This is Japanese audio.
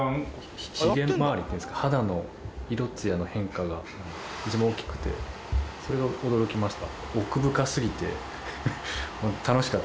ひげまわりっていうんですか肌の色つやの変化が一番大きくてそれが驚きました。